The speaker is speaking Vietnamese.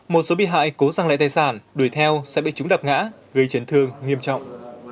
một số bị hại cố rằng lại tài sản đuổi theo sẽ bị chúng đập ngã gây chấn thương nghiêm trọng